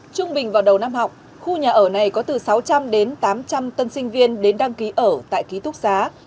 trung bình vào đầu năm học khu nhà ở này có từ sáu trăm linh đến tám trăm linh tân sinh viên đến đăng ký ở tại ký túc xá